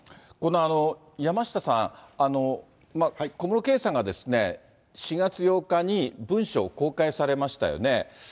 山下さん、小室圭さんが４月８日に文書を公開されましたよね。